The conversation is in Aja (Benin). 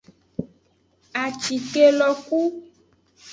Acike lo ku.